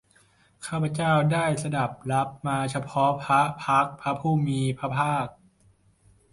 ข้าพเจ้าได้สดับรับมาเฉพาะพระพักตร์พระผู้มีพระภาค